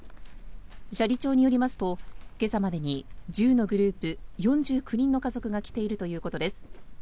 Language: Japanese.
斜里町によりますと今朝までに１０のグループ４９人の家族が来ているということです。